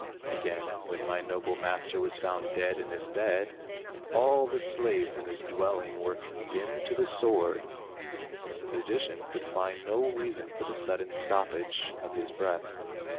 Again, when my noble master was found dead in his bed, all the slaves THE END OF THE FLA Y. 193 in his dwelling were condemned to the sword, since the physician could find no reason for the sudden stoppage of his breath.